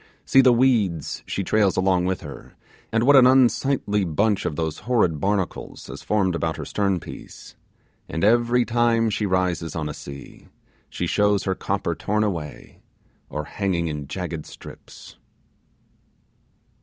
See the weeds she trails along with her, and what an unsightly bunch of those horrid barnacles has formed about her stern piece; and every time she rises on a sea, she shows her copper torn away, or hanging in jagged strips.